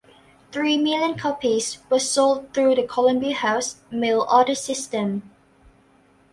Three million copies were sold through the Columbia House mail-order system.